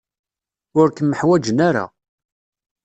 Ur kem-ḥwajen ara.